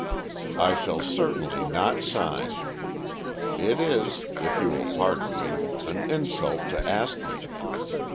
"I shall certainly not sign. It is, if you will pardon me, an insult to ask me.